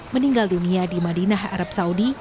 meninggal dunia di madinah arab saudi